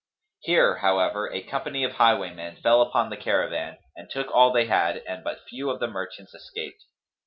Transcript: Here, however, a company of highwaymen fell upon the caravan and took all they had and but few of the merchants escaped.